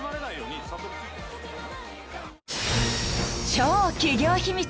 ［超企業秘密。